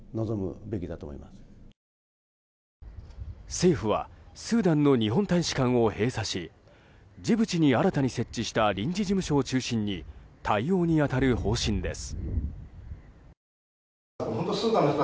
政府はスーダンの日本大使館を閉鎖しジブチに新たに設置した臨時事務所を中心に対応に当たる方針です。